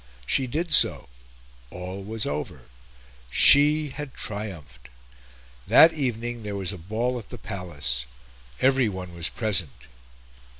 She did so; all was over; she had triumphed. That evening there was a ball at the Palace. Everyone was present.